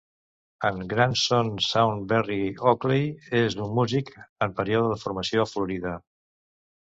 En Grandson Shaun Berry Oakley és un músic en període de formació a Florida.